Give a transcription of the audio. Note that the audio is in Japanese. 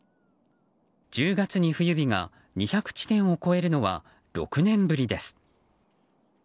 １０月に冬日が２００地点を超えるのは６年ぶりです。